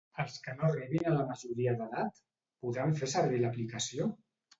Els que no arribin a la majoria d'edat, podran fer servir l'app?